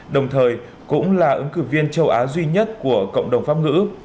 đồng thời cũng là ứng cử viên châu á duy nhất của cộng đồng pháp ngữ